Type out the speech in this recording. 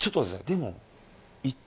でも。